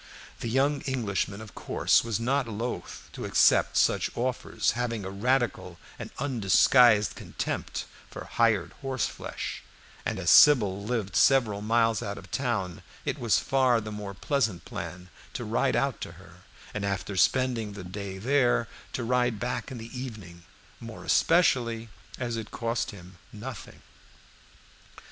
The young Englishman, of course, was not loath to accept such offers, having a radical and undisguised contempt for hired horseflesh, and as Sybil lived several miles out of town, it was far the most pleasant plan to ride out to her, and after spending the day there, to ride back in the evening, more especially as it cost him nothing.